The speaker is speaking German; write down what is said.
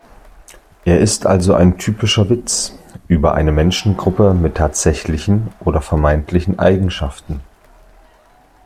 Er ist also ein typischer Witz über eine Menschengruppe mit tatsächlichen oder vermeintlichen Eigenschaften.